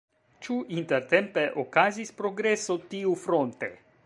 Ĉu intertempe okazis progreso tiufronte?